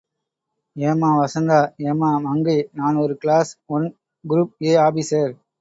ஏம்மா வசந்தா ஏம்மா மங்கை நான் ஒரு class one, group A officer.